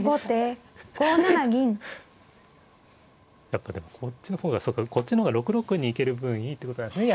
やっぱでもこっちの方がそうかこっちの方が６六に行ける分いいってことなんですね。